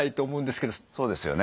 そうですよね。